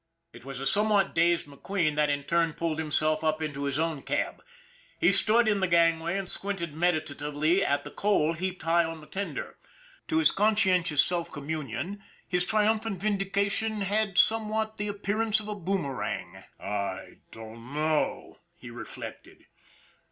It was a somewhat dazed McQueen that in turn pulled himself up into his own cab. He stood in the gangway and squinted meditatively at the coal heaped high on the tender. To his conscientious self com munion, his triumphant vindication had somewhat the appearance of a boomerang. " I don't know," he reflected.